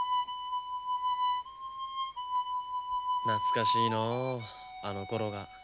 懐かしいのうあのころが。